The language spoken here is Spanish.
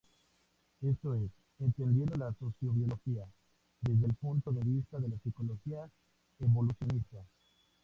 Esto es, entendiendo la sociobiología desde el punto de vista de la psicología evolucionista.